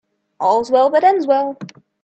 All's well that ends well.